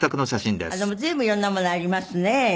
でも随分いろんなものありますね。